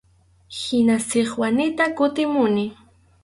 Hina Sikwanita kutimuni.